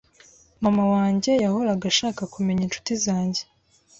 Mama wanjye yahoraga ashaka kumenya inshuti zanjye